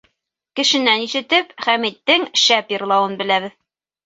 — Кешенән ишетеп, Хәмиттең шәп йырлауын беләбеҙ.